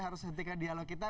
harus hentikan dialog kita